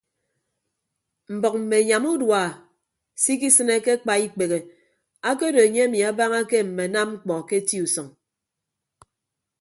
Mbʌk mme anyam urua se ikisịne ke akpa ikpehe akedo enye emi abañake mme anam mkpọ ke eti usʌñ.